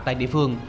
tại địa phương